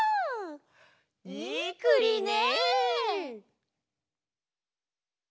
いいくりね！